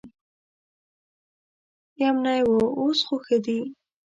یمنی و اوس خو ښه دي.